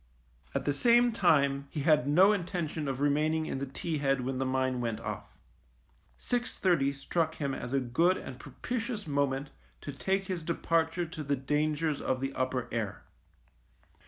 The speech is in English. At the same time he had no intention of remaining in the T head when the mine went off. Six thirty struck him as a good and propitious moment to take his departure to the dangers of the upper air.